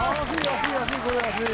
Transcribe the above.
安い安い安い。